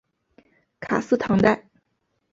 卡斯唐代。